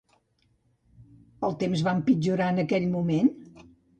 El temps va empitjorar en aquell moment?